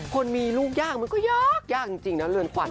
คนมีลูกยากมันก็ยากจริงแล้วเริ่มขวัญ